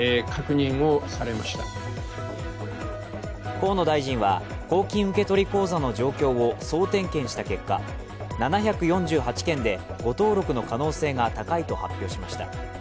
河野大臣は公金受取口座の状況を総点検した結果７４８件で誤登録の可能性が高いと発表しました。